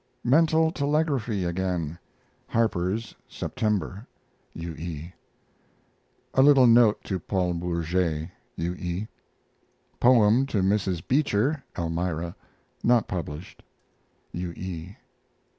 MENTAL TELEGRAPHY AGAIN Harper's, September. U. E. A LITTLE NOTE TO PAUL BOURGET. U. E. Poem to Mrs. Beecher (Elmira) (not published). U. E.